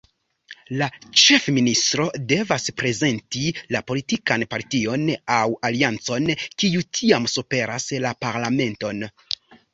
La ĉefministro devas reprezenti la politikan partion aŭ aliancon, kiu tiam superas la Parlamenton.